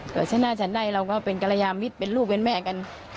ก็ชนะฉันได้เราก็เป็นกรยามิตรเป็นลูกเป็นแม่กัน